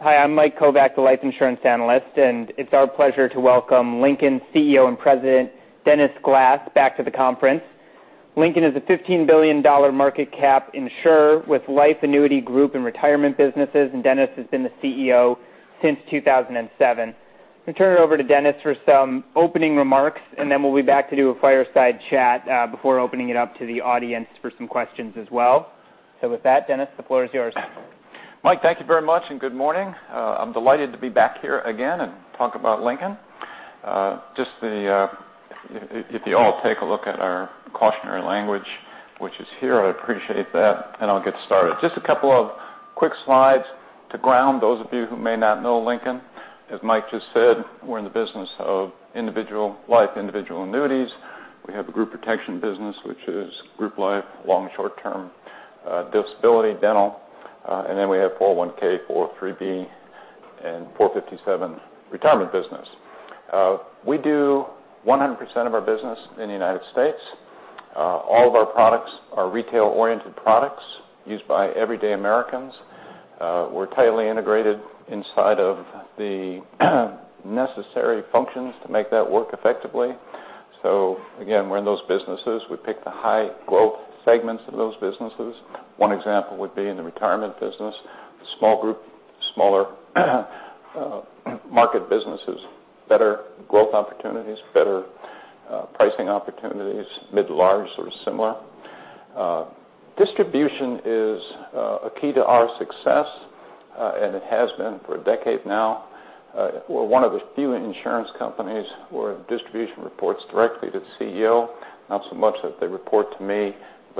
Hi, I'm Mike Kovac, the life insurance analyst. It's our pleasure to welcome Lincoln CEO and President Dennis Glass back to the conference. Lincoln is a $15 billion market cap insurer with life, annuity, group, and retirement businesses. Dennis has been the CEO since 2007. I'm going to turn it over to Dennis for some opening remarks. Then we'll be back to do a fireside chat before opening it up to the audience for some questions as well. With that, Dennis, the floor is yours. Mike, thank you very much and good morning. I'm delighted to be back here again to talk about Lincoln. If you all take a look at our cautionary language, which is here, I appreciate that. I'll get started. Just a couple of quick slides to ground those of you who may not know Lincoln. As Mike just said, we're in the business of individual life, individual annuities. We have a group protection business, which is group life, long and short-term disability, dental. Then we have 401(k), 403(b), and 457(b) retirement business. We do 100% of our business in the U.S. All of our products are retail-oriented products used by everyday Americans. We're tightly integrated inside of the necessary functions to make that work effectively. Again, we're in those businesses. We pick the high growth segments of those businesses. One example would be in the retirement business, small group, smaller market businesses, better growth opportunities, better pricing opportunities, mid-large or similar. Distribution is a key to our success. It has been for a decade now. We're one of the few insurance companies where distribution reports directly to the CEO. Not so much that they report to me,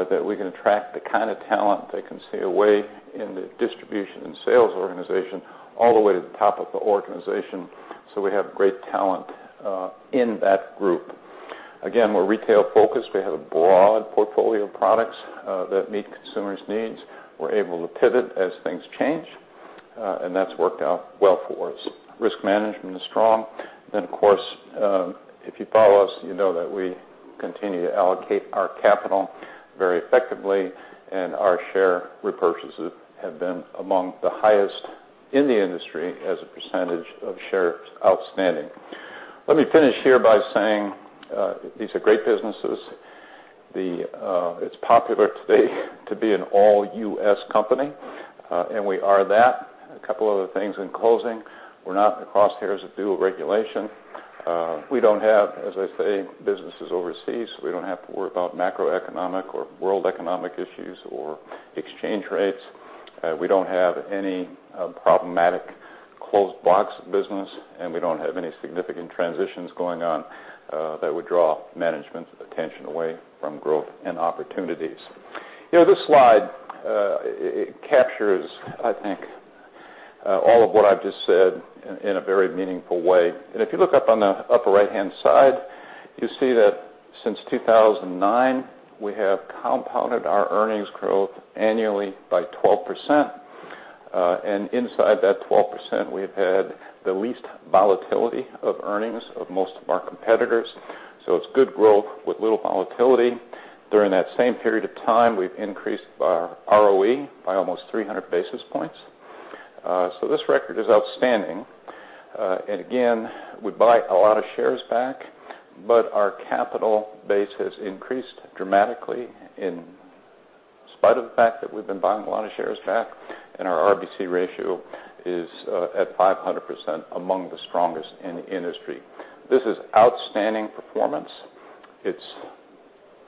that we can attract the kind of talent that can stay away in the distribution and sales organization all the way to the top of the organization. We have great talent in that group. Again, we're retail focused. We have a broad portfolio of products that meet consumers' needs. We're able to pivot as things change. That's worked out well for us. Risk management is strong. Of course, if you follow us, you know that we continue to allocate our capital very effectively. Our share repurchases have been among the highest in the industry as a percentage of shares outstanding. Let me finish here by saying these are great businesses. It's popular today to be an all U.S. company. We are that. A couple other things in closing. We're not in the crosshairs of dual regulation. We don't have, as I say, businesses overseas. We don't have to worry about macroeconomic or world economic issues or exchange rates. We don't have any problematic closed block business. We don't have any significant transitions going on that would draw management's attention away from growth and opportunities. This slide captures, I think, all of what I've just said in a very meaningful way. If you look up on the upper right-hand side, you'll see that since 2009, we have compounded our earnings growth annually by 12%, and inside that 12%, we've had the least volatility of earnings of most of our competitors, so it's good growth with little volatility. During that same period of time, we've increased our ROE by almost 300 basis points. This record is outstanding. Again, we buy a lot of shares back, but our capital base has increased dramatically in spite of the fact that we've been buying a lot of shares back, and our RBC ratio is at 500%, among the strongest in the industry. This is outstanding performance. It's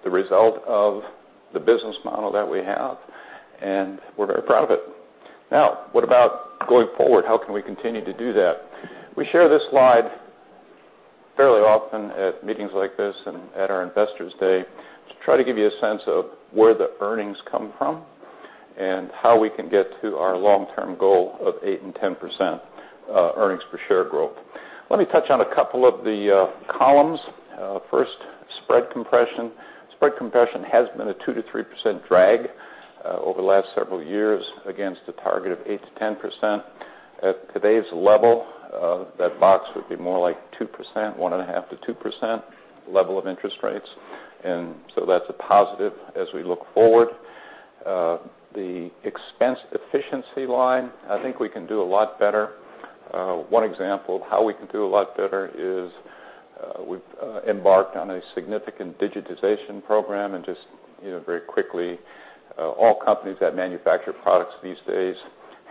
the result of the business model that we have, and we're very proud of it. Now, what about going forward? How can we continue to do that? We share this slide fairly often at meetings like this and at our Investors Day to try to give you a sense of where the earnings come from and how we can get to our long-term goal of 8% and 10% earnings per share growth. Let me touch on a couple of the columns. First, spread compression. Spread compression has been a 2% to 3% drag over the last several years against a target of 8% to 10%. At today's level, that box would be more like 2%, 1.5% to 2% level of interest rates, that's a positive as we look forward. The expense efficiency line, I think we can do a lot better. One example of how we can do a lot better is we've embarked on a significant digitization program and just very quickly, all companies that manufacture products these days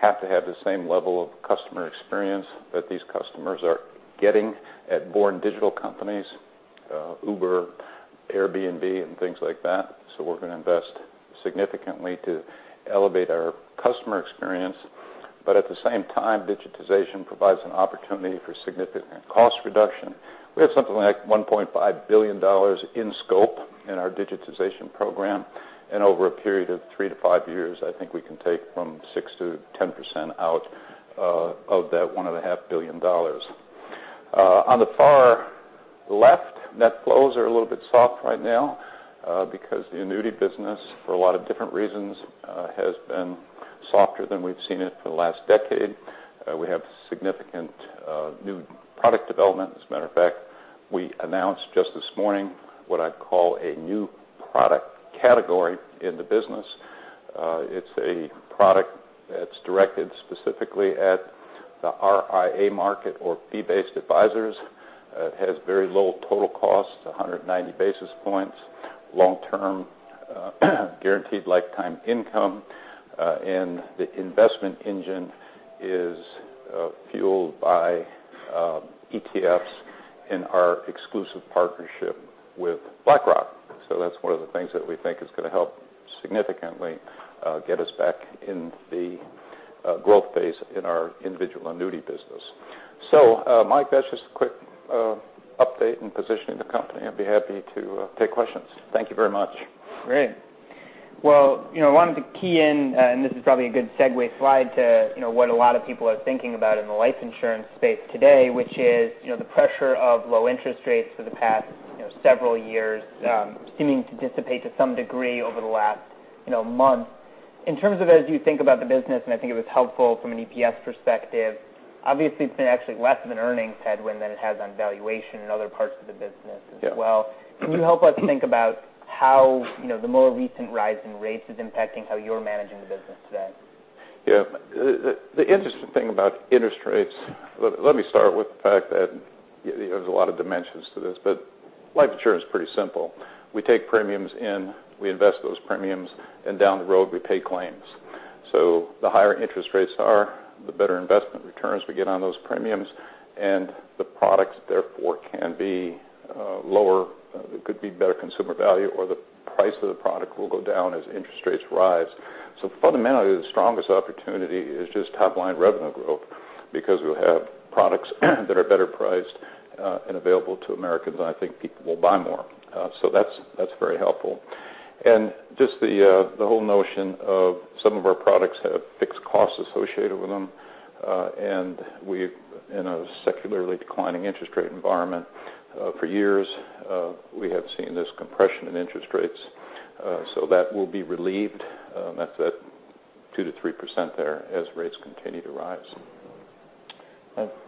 have to have the same level of customer experience that these customers are getting at born digital companies, Uber, Airbnb, and things like that. We're going to invest significantly to elevate our customer experience, but at the same time, digitization provides an opportunity for significant cost reduction. We have something like $1.5 billion in scope in our digitization program, and over a period of three to five years, I think we can take from 6% to 10% out of that $1.5 billion. On the far left, net flows are a little bit soft right now because the annuity business for a lot of different reasons has been softer than we've seen it for the last decade. We have significant new product development. As a matter of fact, we announced just this morning what I'd call a new product category in the business. It's a product that's directed specifically at the RIA market or fee-based advisors. It has very low total costs, 190 basis points, long-term guaranteed lifetime income. The investment engine is fueled by ETFs in our exclusive partnership with BlackRock. That's one of the things that we think is going to help significantly get us back in the growth phase in our individual annuity business. Mike, that's just a quick update and positioning the company. I'd be happy to take questions. Thank you very much. Great. Well, I wanted to key in, and this is probably a good segue slide to what a lot of people are thinking about in the life insurance space today, which is the pressure of low interest rates for the past several years seeming to dissipate to some degree over the last month. In terms of as you think about the business, and I think it was helpful from an EPS perspective, obviously it's been actually less of an earnings headwind than it has on valuation in other parts of the business as well. Yeah. Can you help us think about how the more recent rise in rates is impacting how you're managing the business today? Yeah. The interesting thing about interest rates, let me start with the fact that there's a lot of dimensions to this, but life insurance is pretty simple. We take premiums in, we invest those premiums, and down the road, we pay claims. The higher interest rates are, the better investment returns we get on those premiums, and the products, therefore, can be lower. There could be better consumer value, or the price of the product will go down as interest rates rise. Fundamentally, the strongest opportunity is just top-line revenue growth because we'll have products that are better priced and available to Americans, and I think people will buy more. That's very helpful. Just the whole notion of some of our products have fixed costs associated with them. In a secularly declining interest rate environment for years, we have seen this compression in interest rates. That will be relieved at that 2%-3% there as rates continue to rise.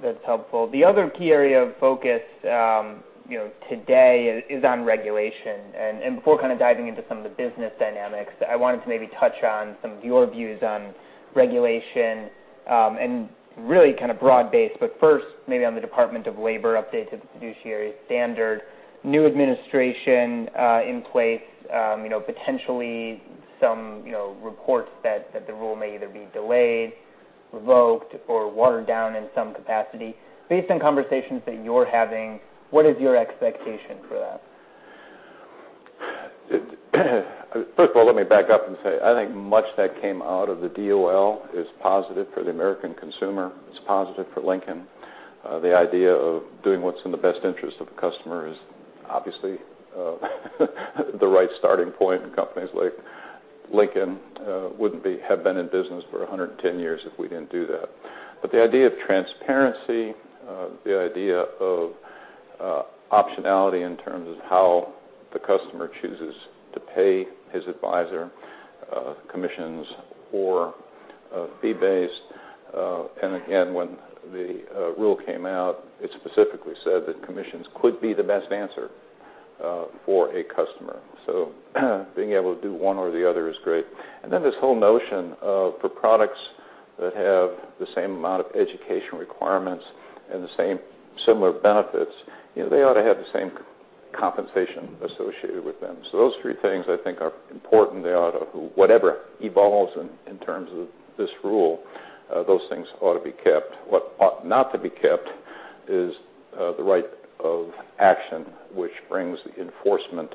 That's helpful. The other key area of focus today is on regulation. Before kind of diving into some of the business dynamics, I wanted to maybe touch on some of your views on regulation, really kind of broad-based. First, maybe on the Department of Labor update to the fiduciary standard, new administration in place. Potentially some reports that the rule may either be delayed, revoked, or watered down in some capacity. Based on conversations that you're having, what is your expectation for that? First of all, let me back up and say, I think much that came out of the DOL is positive for the American consumer. It's positive for Lincoln. The idea of doing what's in the best interest of the customer is obviously the right starting point. Companies like Lincoln wouldn't have been in business for 110 years if we didn't do that. The idea of transparency, the idea of optionality in terms of how the customer chooses to pay his advisor, commissions or fee-based. Again, when the rule came out, it specifically said that commissions could be the best answer for a customer. Being able to do one or the other is great. Then this whole notion of for products that have the same amount of education requirements and the same similar benefits, they ought to have the same compensation associated with them. Those three things I think are important. Whatever evolves in terms of this rule, those things ought to be kept. What ought not to be kept is the right of action, which brings enforcement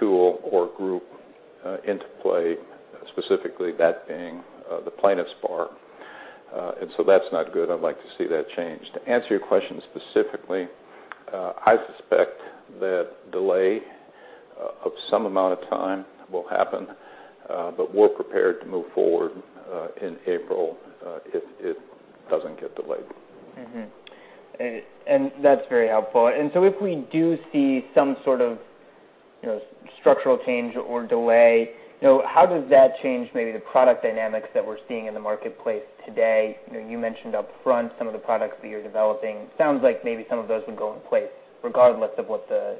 tool or group into play, specifically that being the plaintiffs' bar. That's not good. I'd like to see that changed. To answer your question specifically, I suspect that delay of some amount of time will happen. We're prepared to move forward in April if it doesn't get delayed. That's very helpful. If we do see some sort of structural change or delay, how does that change maybe the product dynamics that we're seeing in the marketplace today? You mentioned upfront some of the products that you're developing. Sounds like maybe some of those would go in place regardless of what the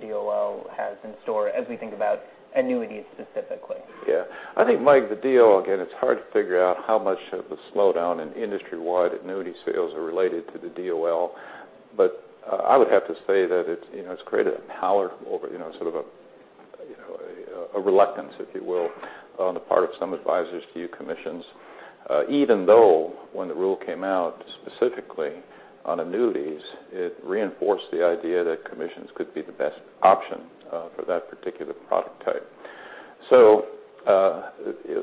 DOL has in store as we think about annuities specifically. I think, Mike, the deal, again, it's hard to figure out how much of the slowdown in industry-wide annuity sales are related to the DOL. I would have to say that it's created a power over, sort of a reluctance, if you will, on the part of some advisors to use commissions. Even though when the rule came out specifically on annuities, it reinforced the idea that commissions could be the best option for that particular product type.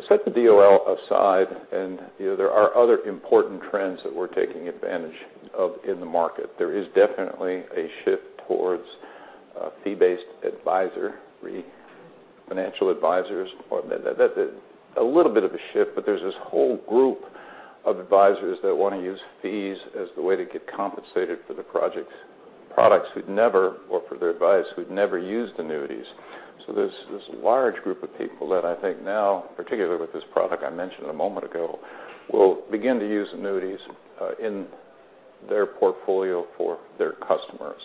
Set the DOL aside, there are other important trends that we're taking advantage of in the market. There is definitely a shift towards fee-based advisory, financial advisors. A little bit of a shift, but there's this whole group of advisors that want to use fees as the way to get compensated for the products or for their advice, who'd never used annuities. There's this large group of people that I think now, particularly with this product I mentioned a moment ago, will begin to use annuities in their portfolio for their customers.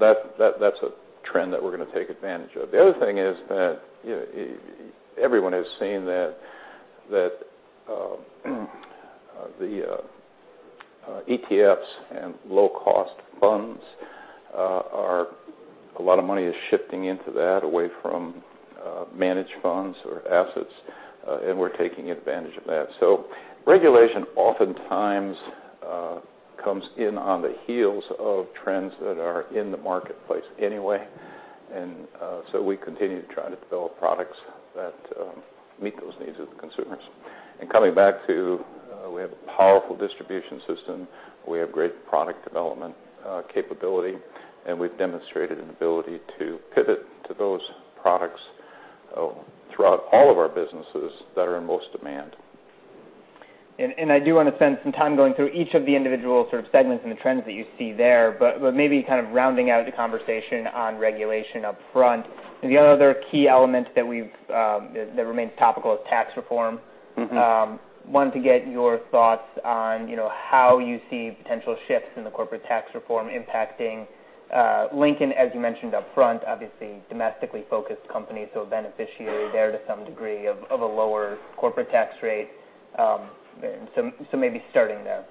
That's a trend that we're going to take advantage of. The other thing is that everyone has seen that the ETFs and low-cost funds, a lot of money is shifting into that away from managed funds or assets, and we're taking advantage of that. Regulation oftentimes comes in on the heels of trends that are in the marketplace anyway, and we continue to try to develop products that meet those needs of the consumers. Coming back to we have a powerful distribution system, we have great product development capability, and we've demonstrated an ability to pivot to those products throughout all of our businesses that are in most demand. I do want to spend some time going through each of the individual sort of segments and the trends that you see there, but maybe kind of rounding out the conversation on regulation upfront. The other key element that remains topical is tax reform. I wanted to get your thoughts on how you see potential shifts in the corporate tax reform impacting Lincoln, as you mentioned upfront, obviously domestically focused companies, a beneficiary there to some degree of a lower corporate tax rate. Maybe starting there.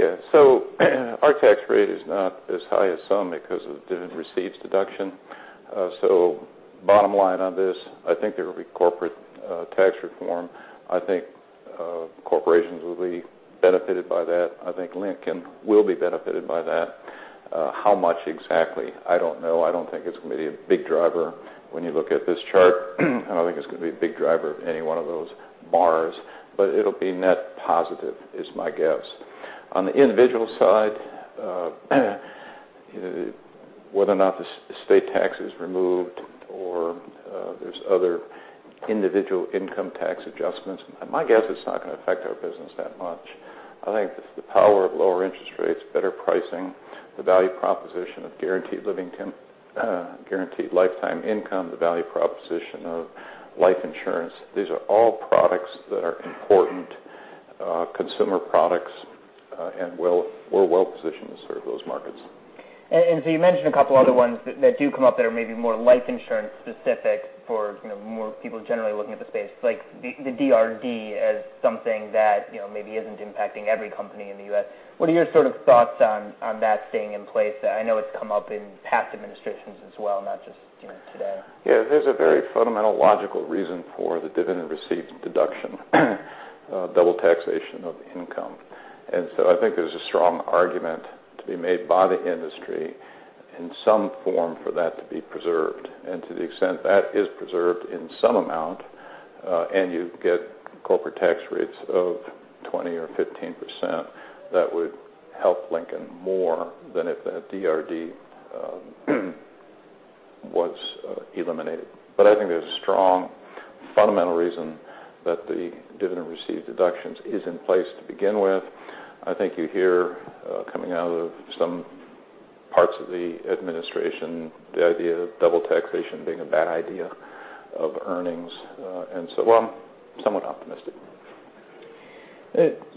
Our tax rate is not as high as some because of the dividend received deduction. Bottom line on this, I think there will be corporate tax reform. I think corporations will be benefited by that. I think Lincoln will be benefited by that. How much exactly? I don't know. I don't think it's going to be a big driver when you look at this chart. I don't think it's going to be a big driver of any one of those bars. It'll be net positive, is my guess. On the individual side, whether or not the estate tax is removed or there's other individual income tax adjustments, my guess it's not going to affect our business that much. I think the power of lower interest rates, better pricing, the value proposition of guaranteed lifetime income, the value proposition of life insurance, these are all products that are important consumer products, and we're well-positioned to serve those markets. You mentioned a couple other ones that do come up that are maybe more life insurance specific for more people generally looking at the space like the DRD as something that maybe isn't impacting every company in the U.S. What are your sort of thoughts on that staying in place? I know it's come up in past administrations as well, not just today. There's a very fundamental, logical reason for the dividend received deduction, double taxation of income. I think there's a strong argument to be made by the industry in some form for that to be preserved. To the extent that is preserved in some amount, and you get corporate tax rates of 20% or 15%, that would help Lincoln more than if the DRD was eliminated. I think there's a strong fundamental reason that the dividend received deduction is in place to begin with. I think you hear coming out of some parts of the administration, the idea of double taxation being a bad idea of earnings. I'm somewhat optimistic.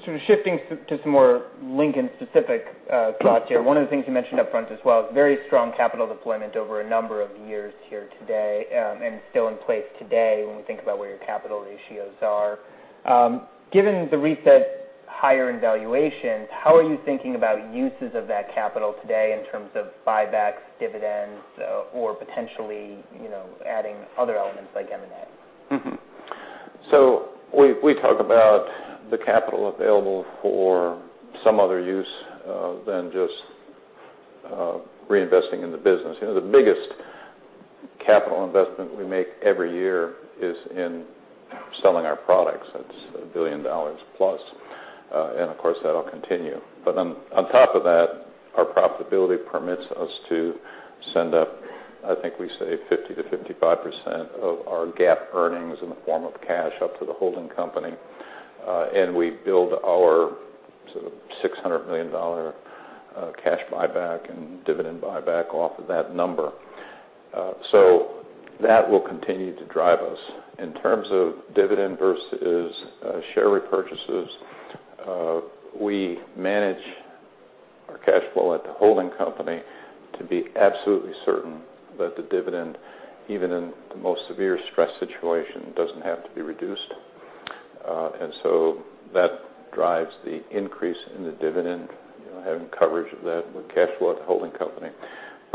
Sort of shifting to some more Lincoln specific thoughts here. One of the things you mentioned upfront as well is very strong capital deployment over a number of years here today, and still in place today when we think about where your capital ratios are. Given the reset higher in valuations, how are you thinking about uses of that capital today in terms of buybacks, dividends, or potentially adding other elements like M&A? Mm-hmm. We talk about the capital available for some other use than just reinvesting in the business. The biggest capital investment we make every year is in selling our products. That's $1 billion plus. Of course, that will continue. On top of that, our profitability permits us to send up, I think we say 50%-55% of our GAAP earnings in the form of cash up to the holding company. We build our sort of $600 million cash buyback and dividend buyback off of that number. That will continue to drive us. In terms of dividend versus share repurchases, we manage our cash flow at the holding company to be absolutely certain that the dividend, even in the most severe stress situation, doesn't have to be reduced. That drives the increase in the dividend, having coverage of that with cash flow at the holding company.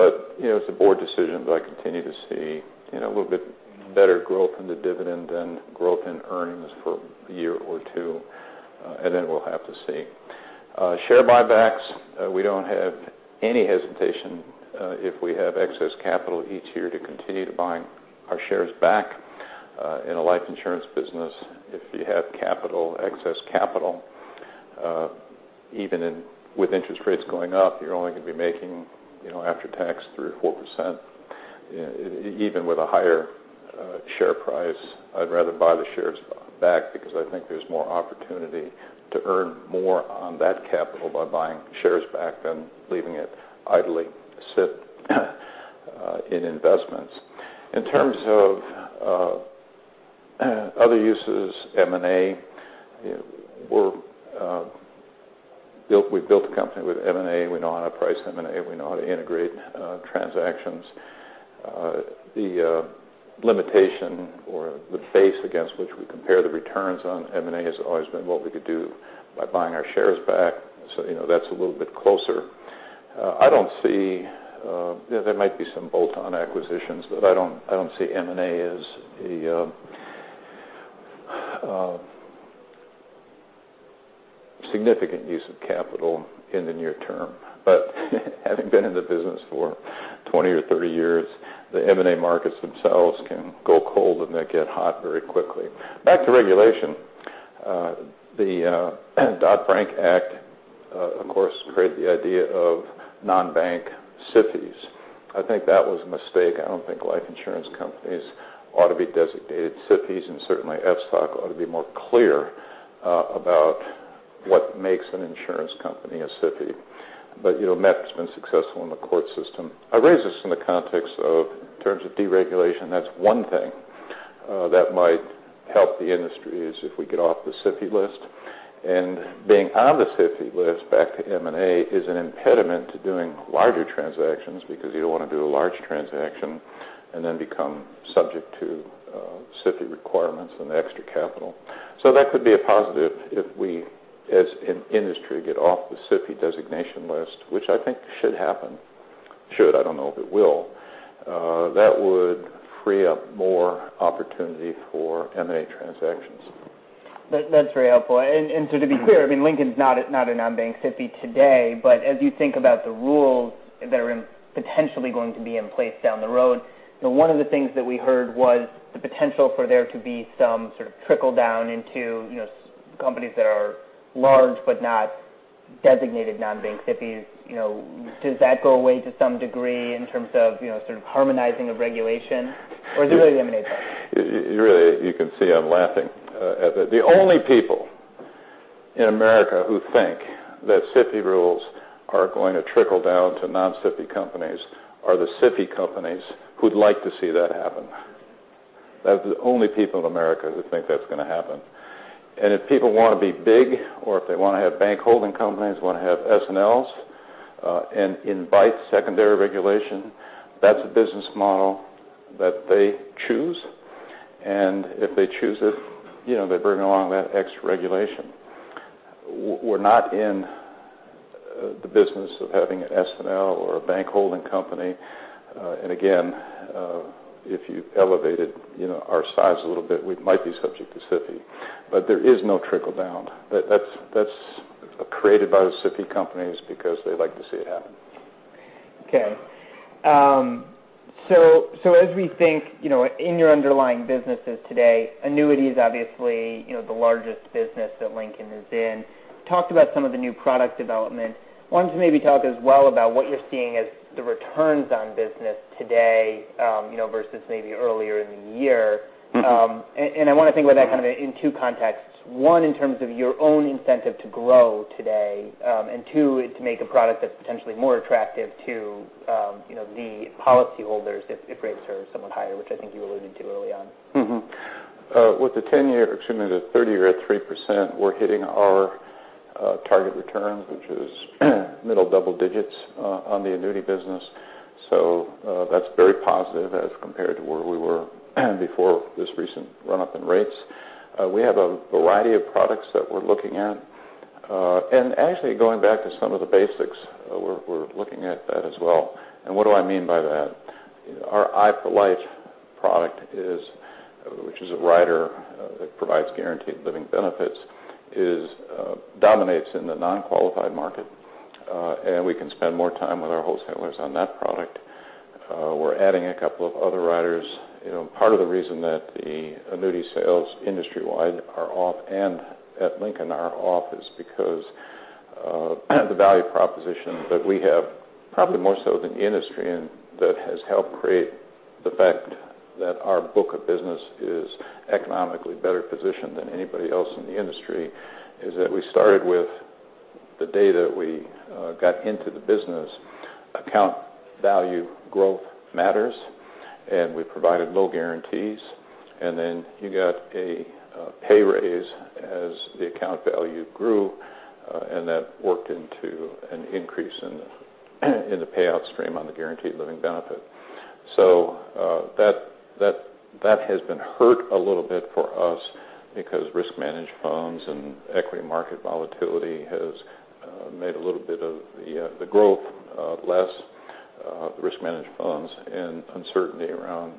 It's a board decision. I continue to see a little bit better growth in the dividend than growth in earnings for a year or two, and then we'll have to see. Share buybacks, we don't have any hesitation if we have excess capital each year to continue to buying our shares back. In a life insurance business, if you have excess capital, even with interest rates going up, you're only going to be making after-tax 3% or 4%, even with a higher share price. I'd rather buy the shares back because I think there's more opportunity to earn more on that capital by buying shares back than leaving it idly sit in investments. In terms of other uses, M&A, we built the company with M&A. We know how to price M&A. We know how to integrate transactions. The limitation or the base against which we compare the returns on M&A has always been what we could do by buying our shares back. That's a little bit closer. There might be some bolt-on acquisitions, but I don't see M&A as a significant use of capital in the near term. Having been in the business for 20 or 30 years, the M&A markets themselves can go cold, and they get hot very quickly. Back to regulation. The Dodd-Frank Act, of course, created the idea of non-bank SIFIs. I think that was a mistake. I don't think life insurance companies ought to be designated SIFIs, and certainly FSOC ought to be more clear about what makes an insurance company a SIFI. MetLife's been successful in the court system. I raise this in the context of terms of deregulation. That's one thing that might help the industry, is if we get off the SIFI list. Being on the SIFI list, back to M&A, is an impediment to doing larger transactions because you don't want to do a large transaction and then become subject to SIFI requirements and the extra capital. That could be a positive if we, as an industry, get off the SIFI designation list, which I think should happen. Should, I don't know if it will. That would free up more opportunity for M&A transactions. That's very helpful. To be clear, Lincoln's not a non-bank SIFI today. As you think about the rules that are potentially going to be in place down the road, one of the things that we heard was the potential for there to be some sort of trickle-down into companies that are large but not designated non-bank SIFIs. Does that go away to some degree in terms of sort of harmonizing of regulation? Really, you can see I'm laughing at that. The only people in America who think that SIFI rules are going to trickle down to non-SIFI companies are the SIFI companies who'd like to see that happen. That's the only people in America who think that's going to happen. If people want to be big or if they want to have bank holding companies, want to have S&Ls, and invite secondary regulation, that's a business model that they choose. If they choose it, they bring along that extra regulation. We're not in the business of having an S&L or a bank holding company. Again, if you elevated our size a little bit, we might be subject to SIFI. There is no trickle-down. That's created by the SIFI companies because they'd like to see it happen. Okay. As we think in your underlying businesses today, annuities, obviously, the largest business that Lincoln is in. We talked about some of the new product development. I wanted to maybe talk as well about what you're seeing as the returns on business today versus maybe earlier in the year. I want to think about that kind of in two contexts. One, in terms of your own incentive to grow today, and two, to make a product that's potentially more attractive to the policyholders if rates are somewhat higher, which I think you alluded to early on. With the 10-year treasury at 30-year at 3%, we're hitting our target returns, which is middle double digits on the annuity business. That's very positive as compared to where we were before this recent run-up in rates. We have a variety of products that we're looking at. Actually going back to some of the basics, we're looking at that as well. What do I mean by that? Our i4LIFE product, which is a rider that provides guaranteed living benefits, dominates in the non-qualified market. We can spend more time with our wholesalers on that product. We're adding a couple of other riders. Part of the reason that the annuity sales industry wide are off, and at Lincoln are off, is because the value proposition that we have probably more so than the industry, and that has helped create the fact that our book of business is economically better positioned than anybody else in the industry, is that we started with the day that we got into the business, account value growth matters, and we provided low guarantees. Then you got a pay raise as the account value grew, and that worked into an increase in the payout stream on the guaranteed living benefit. That has been hurt a little bit for us because risk managed funds and equity market volatility has made a little bit of the growth less. The risk managed funds and uncertainty around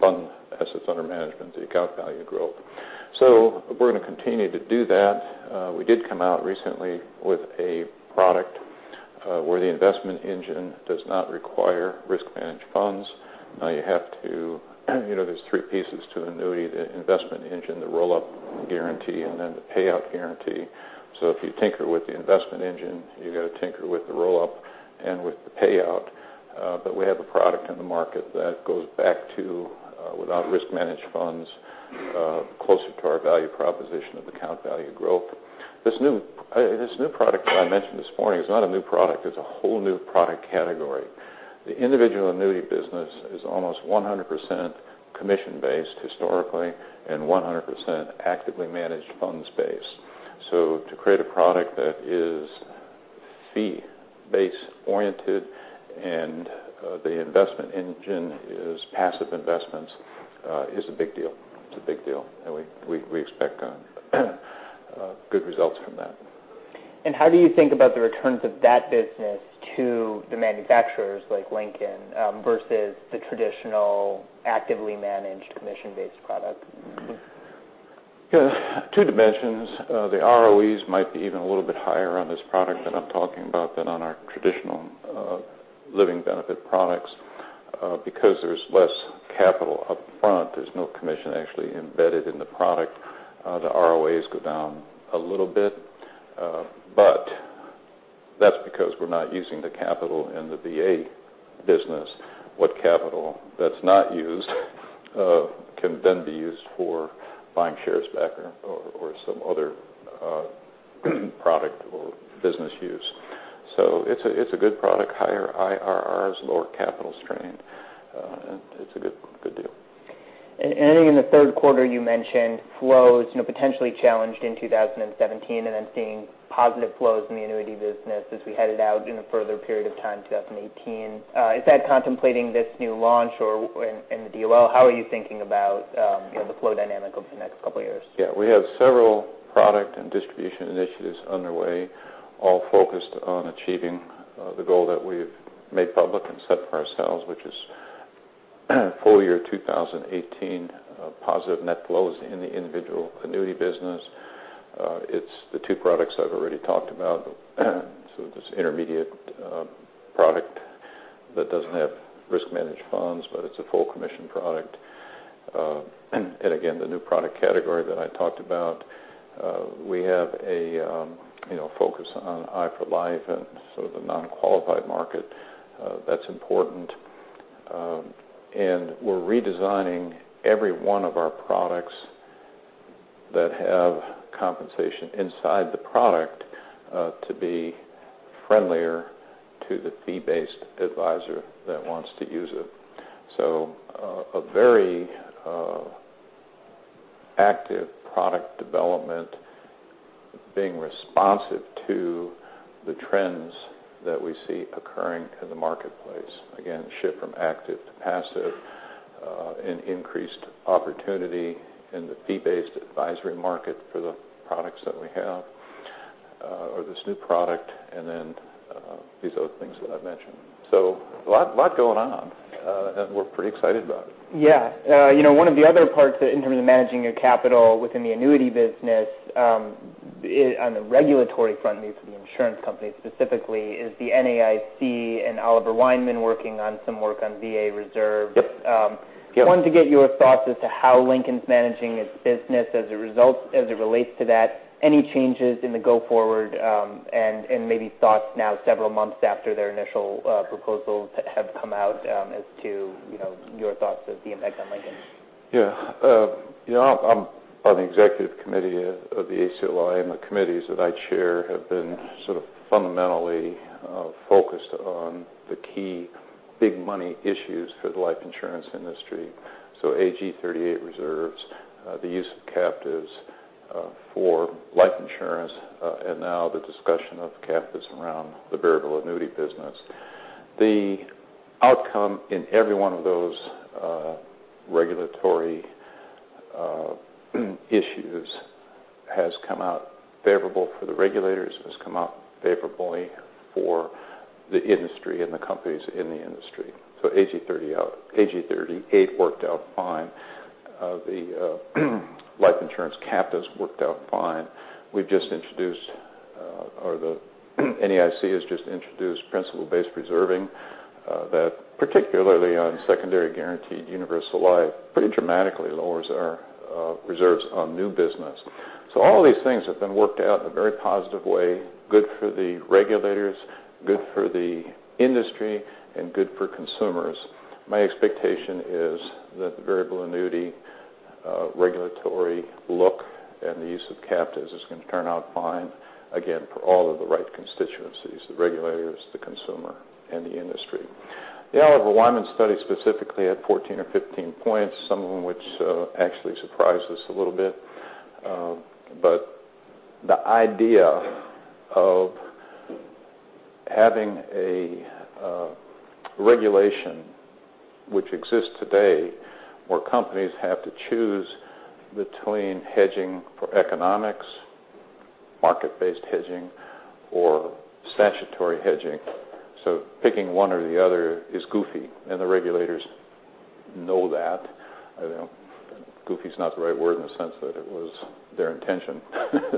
fund assets under management, the account value growth. We're going to continue to do that. We did come out recently with a product where the investment engine does not require risk managed funds. There's three pieces. The investment engine, the roll-up guarantee, and then the payout guarantee. If you tinker with the investment engine, you've got to tinker with the roll-up and with the payout. We have a product in the market that goes back to, without risk managed funds, closer to our value proposition of account value growth. This new product that I mentioned this morning is not a new product, it's a whole new product category. The individual annuity business is almost 100% commission-based historically, and 100% actively managed funds based. To create a product that is fee-based oriented, and the investment engine is passive investments, is a big deal. It's a big deal, and we expect good results from that. How do you think about the returns of that business to the manufacturers like Lincoln versus the traditional actively managed commission-based product? Two dimensions. The ROEs might be even a little bit higher on this product that I'm talking about than on our traditional living benefit products. There's less capital up front, there's no commission actually embedded in the product. The ROAs go down a little bit. That's because we're not using the capital in the VA business. What capital that's not used can then be used for buying shares back or some other product or business use. It's a good product, higher IRRs, lower capital strain. It's a good deal. Ending in the third quarter, you mentioned flows potentially challenged in 2017, then seeing positive flows in the annuity business as we headed out in a further period of time, 2018. Is that contemplating this new launch or in the DOL? How are you thinking about the flow dynamic over the next couple of years? Yeah. We have several product and distribution initiatives underway, all focused on achieving the goal that we've made public and set for ourselves, which is full year 2018 positive net flows in the individual annuity business. It's the two products I've already talked about. This intermediate product that doesn't have risk managed funds, but it's a full commission product. Again, the new product category that I talked about. We have a focus on i4LIFE and the non-qualified market. That's important. We're redesigning every one of our products that have compensation inside the product to be friendlier to the fee-based advisor that wants to use it. A very active product development being responsive to the trends that we see occurring in the marketplace. shift from active to passive, an increased opportunity in the fee-based advisory market for the products that we have, or this new product, and these other things that I've mentioned. A lot going on, and we're pretty excited about it. Yeah. One of the other parts in terms of managing your capital within the annuity business on the regulatory front, at least for the insurance company specifically, is the NAIC and Oliver Wyman working on some work on VA reserves. Yep. I wanted to get your thoughts as to how Lincoln's managing its business as a result as it relates to that. Any changes in the go forward, and maybe thoughts now several months after their initial proposals have come out as to your thoughts of the impact on Lincoln. Yeah. I'm on the executive committee of the ACLI, the committees that I chair have been fundamentally focused on the key big money issues for the life insurance industry. AG 38 reserves, the use of captives for life insurance, and now the discussion of captives around the variable annuity business. The outcome in every one of those regulatory issues has come out favorable for the regulators, has come out favorably for the industry and the companies in the industry. AG 38 worked out fine. The life insurance captives worked out fine. We've just introduced, or the NAIC has just introduced principle-based reserving that, particularly on Secondary Guaranteed Universal Life, pretty dramatically lowers our reserves on new business. All these things have been worked out in a very positive way, good for the regulators, good for the industry, and good for consumers. My expectation is that the variable annuity regulatory look and the use of captives is going to turn out fine, again, for all of the right constituencies, the regulators, the consumer, and the industry. The Oliver Wyman study specifically had 14 or 15 points, some of which actually surprised us a little bit. The idea of having a regulation which exists today where companies have to choose between hedging for economics, market-based hedging or statutory hedging. Picking one or the other is goofy, and the regulators know that. Goofy is not the right word in the sense that it was their intention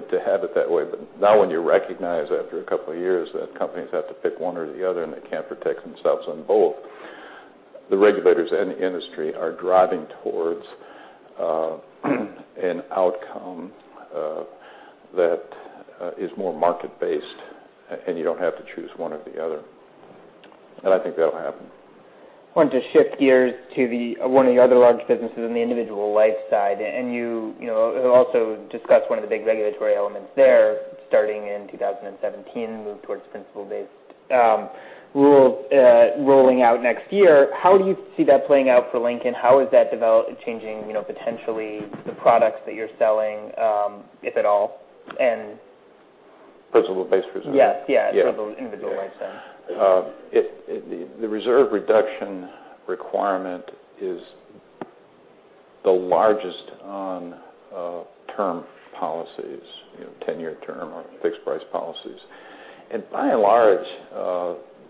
to have it that way. Now when you recognize after a couple of years that companies have to pick one or the other and they can't protect themselves on both, the regulators and the industry are driving towards an outcome that is more market-based, and you don't have to choose one or the other. I think that'll happen. Wanted to shift gears to one of your other large businesses in the individual life side. You also discussed one of the big regulatory elements there starting in 2017, move towards Principle-based rules rolling out next year. How do you see that playing out for Lincoln? How is that developing, changing, potentially the products that you're selling, if at all? Principle-based reserves? Yes. Yeah. For the individual life side. The reserve reduction requirement is the largest on term policies, 10-year term or fixed price policies. By and large,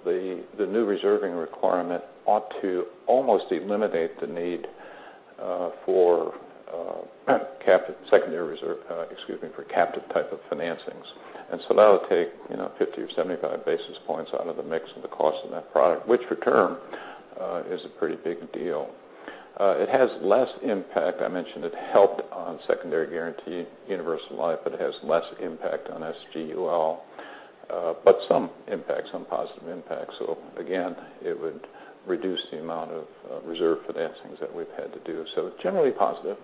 the new reserving requirement ought to almost eliminate the need for captive secondary reserve, excuse me, for captive type of financings. That'll take 50 or 75 basis points out of the mix of the cost of that product, which for term, is a pretty big deal. It has less impact, I mentioned it helped on Secondary Guaranteed Universal Life, but it has less impact on SGUL. Some impact, some positive impact. Again, it would reduce the amount of reserve financings that we've had to do, so generally positive.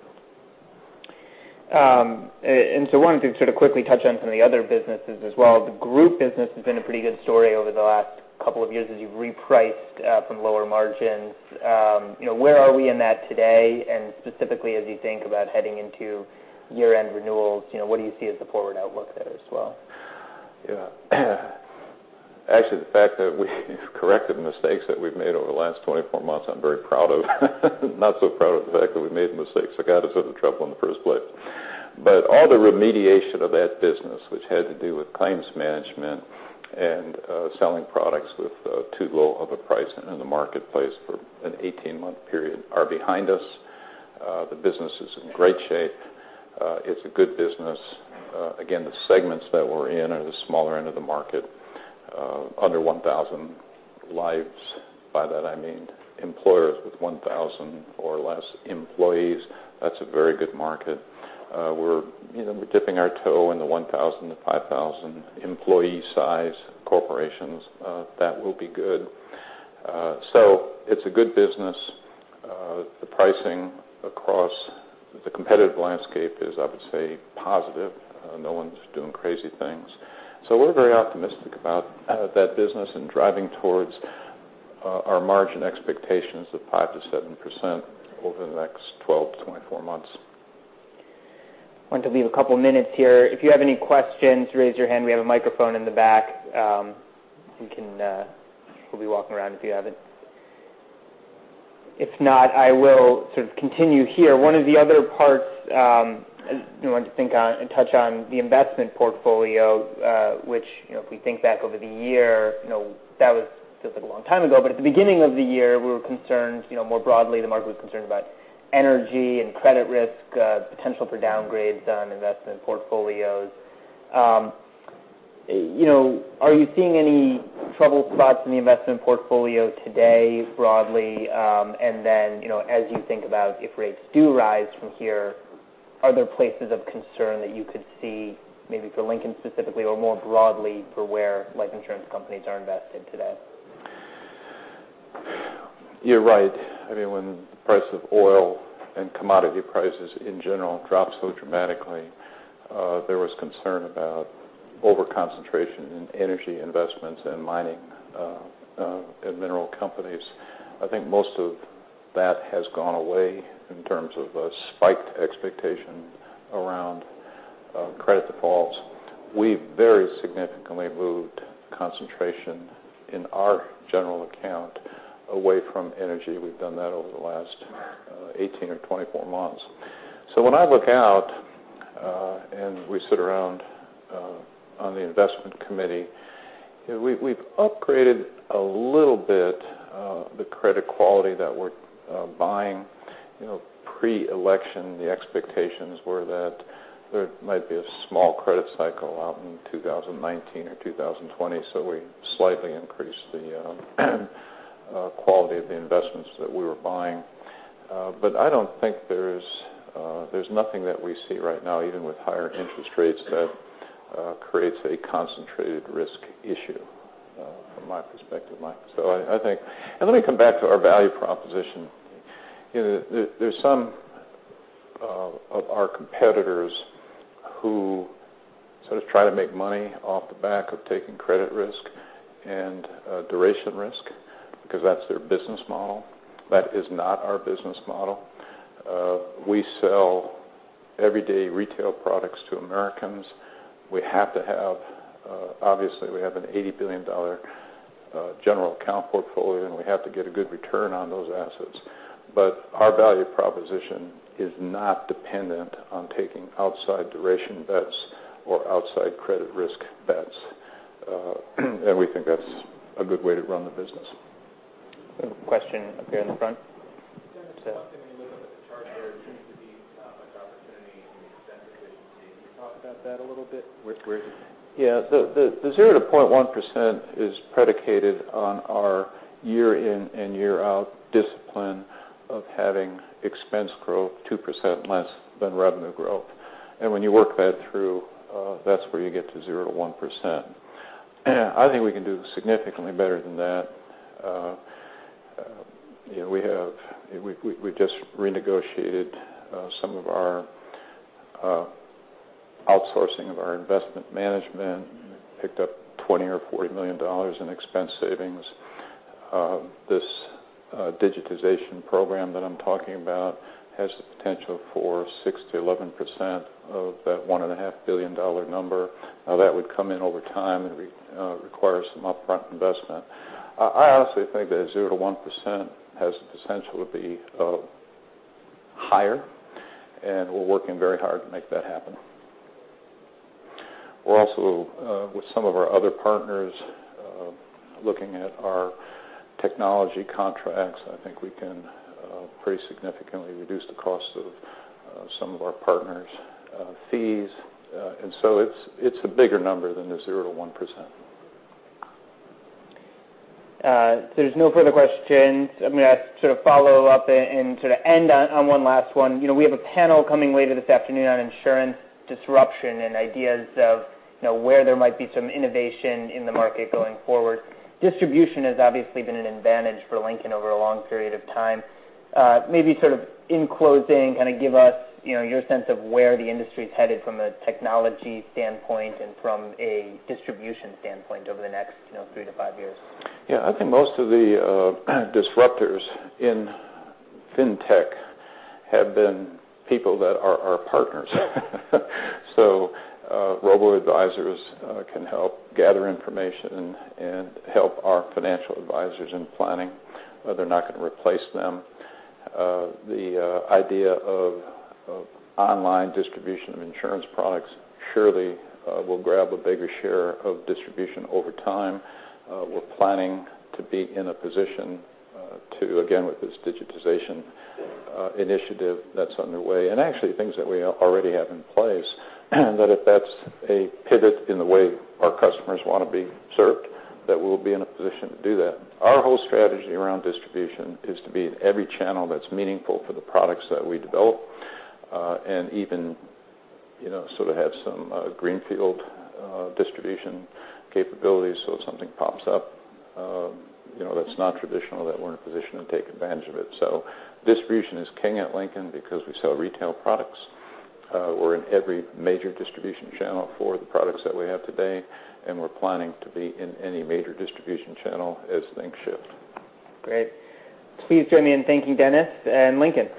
Wanted to sort of quickly touch on some of the other businesses as well. The group business has been a pretty good story over the last couple of years as you've repriced from lower margins. Where are we in that today? Specifically, as you think about heading into year-end renewals, what do you see as the forward outlook there as well? Yeah. Actually, the fact that we've corrected mistakes that we've made over the last 24 months, I'm very proud of. Not so proud of the fact that we made mistakes that got us into trouble in the first place. All the remediation of that business, which had to do with claims management and selling products with too low of a price in the marketplace for an 18-month period, are behind us. The business is in great shape. It's a good business. Again, the segments that we're in are the smaller end of the market, under 1,000 lives. By that I mean employers with 1,000 or less employees. That's a very good market. We're dipping our toe in the 1,000 to 5,000 employee size corporations. That will be good. It's a good business. The pricing across the competitive landscape is, I would say, positive. No one's doing crazy things. We're very optimistic about that business and driving towards our margin expectations of 5% to 7% over the next 12 to 24 months. Wanted to leave a couple minutes here. If you have any questions, raise your hand. We have a microphone in the back. We'll be walking around if you have it. If not, I will sort of continue here. One of the other parts I wanted to think on and touch on, the investment portfolio, which, if we think back over the year, that was still a long time ago, but at the beginning of the year, we were concerned, more broadly, the market was concerned about energy and credit risk, potential for downgrades on investment portfolios. Are you seeing any trouble spots in the investment portfolio today broadly? Then, as you think about if rates do rise from here, are there places of concern that you could see, maybe for Lincoln specifically or more broadly, for where life insurance companies are invested today? You're right. When the price of oil and commodity prices in general dropped so dramatically, there was concern about over-concentration in energy investments and mining and mineral companies. I think most of that has gone away in terms of a spiked expectation around credit defaults. We've very significantly moved concentration in our general account away from energy. We've done that over the last 18 or 24 months. When I look out, and we sit around on the investment committee, we've upgraded a little bit the credit quality that we're buying. Pre-election, the expectations were that there might be a small credit cycle out in 2019 or 2020, we slightly increased the quality of the investments that we were buying. I don't think there's nothing that we see right now, even with higher interest rates, that creates a concentrated risk issue from my perspective. Let me come back to our value proposition. There's some of our competitors who sort of try to make money off the back of taking credit risk and duration risk because that's their business model. That is not our business model. We sell everyday retail products to Americans. Obviously, we have an $80 billion general account portfolio, and we have to get a good return on those assets, our value proposition is not dependent on taking outside duration bets or outside credit risk bets. We think that's a good way to run the business. Question up here in the front. Dennis, when you look up at the chart, there seems to be a drop. Talk about that a little bit. Yeah. The 0%-1% is predicated on our year in and year out discipline of having expense growth 2% less than revenue growth. When you work that through, that's where you get to 0%-1%. I think we can do significantly better than that. We just renegotiated some of our outsourcing of our investment management, picked up $20 or $40 million in expense savings. This digitization program that I'm talking about has the potential for 6%-11% of that $1.5 billion number. That would come in over time and require some upfront investment. I honestly think that 0%-1% has the potential to be higher, and we're working very hard to make that happen. We are also, with some of our other partners, looking at our technology contracts. I think we can pretty significantly reduce the cost of some of our partners' fees. It's a bigger number than the 0%-1%. If there's no further questions, I'm going to follow up and end on one last one. We have a panel coming later this afternoon on insurance disruption and ideas of where there might be some innovation in the market going forward. Distribution has obviously been an advantage for Lincoln over a long period of time. Maybe in closing, give us your sense of where the industry is headed from a technology standpoint and from a distribution standpoint over the next three to five years. Yeah. I think most of the disruptors in Fintech have been people that are our partners. Robo-advisors can help gather information and help our financial advisors in planning. They're not going to replace them. The idea of online distribution of insurance products surely will grab a bigger share of distribution over time. We're planning to be in a position to, again, with this digitization initiative that's underway, and actually things that we already have in place, that if that's a pivot in the way our customers want to be served, that we'll be in a position to do that. Our whole strategy around distribution is to be in every channel that's meaningful for the products that we develop. Even have some greenfield distribution capabilities so if something pops up that's not traditional, that we're in a position to take advantage of it. Distribution is king at Lincoln because we sell retail products. We're in every major distribution channel for the products that we have today, we're planning to be in any major distribution channel as things shift. Great. Please join me in thanking Dennis and Lincoln.